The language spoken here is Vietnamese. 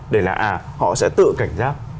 để là à họ sẽ tự cảnh giác